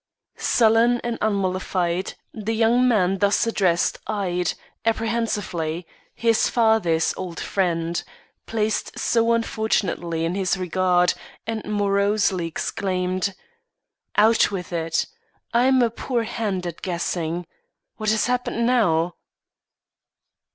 Sullen and unmollified, the young man thus addressed eyed, apprehensively, his father's old friend, placed so unfortunately in his regard, and morosely exclaimed: "Out with it! I'm a poor hand at guessing. What has happened now?"